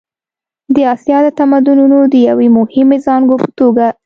د اسیا د تمدنونو د یوې مهمې زانګو په توګه.